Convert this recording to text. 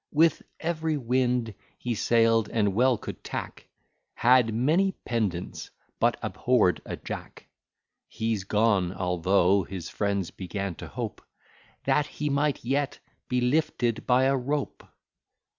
With every wind he sail'd, and well could tack: Had many pendants, but abhorr'd a Jack. He's gone, although his friends began to hope, That he might yet be lifted by a rope.